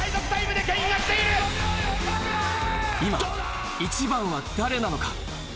今一番は誰なのか？